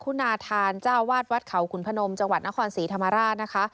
คุณาธานเจ้าวาดวัดเขาขุนพนมจังหวัดนครศรีธรรมราชนะคะ